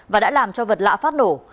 và đã làm cho vật lạ phát nổ